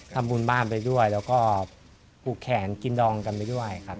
ทำบุญบ้านไปด้วยแล้วก็ปลูกแขนกินดองกันไปด้วยครับ